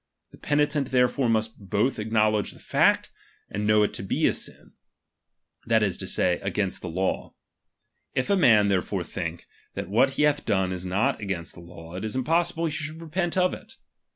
The penitent therefore must both ac knowledge the fact, and know it to be a sin, that is to say, against the law. If a man therefore think, that what he bath done is not against the law, it is impossible he should repent of it.